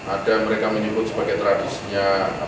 ada mereka menyebut sebagai tradisinya